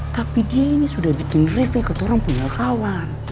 tapi dia ini sudah bikin riff ikut orang punya kawan